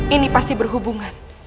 ini pasti berhubungan